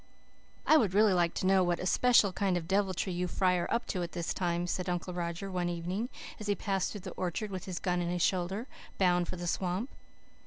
"I would really like to know what especial kind of deviltry you young fry are up to this time," said Uncle Roger one evening, as he passed through the orchard with his gun on his shoulder, bound for the swamp.